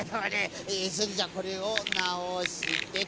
それじゃあこれをなおしてと。